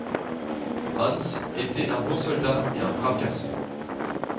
Hans était un bon soldat et un brave garçon.